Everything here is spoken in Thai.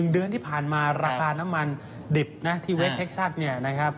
เดือนที่ผ่านมาราคาน้ำมันดิบนะที่เวทเท็กซัสเนี่ยนะครับ